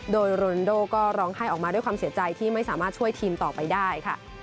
โดยโรนโดก็ร้องไห้ออกมาด้วยความเสียใจที่ไม่สามารถช่วยทีมต่อไปได้ค่ะ